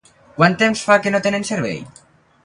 Quant temps fa que no tenen servei?